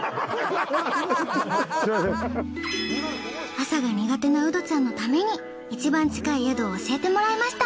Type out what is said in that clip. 朝が苦手なウドちゃんのために一番近い宿を教えてもらいました。